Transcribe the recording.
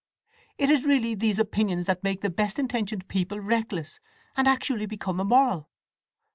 It is really these opinions that make the best intentioned people reckless, and actually become immoral!"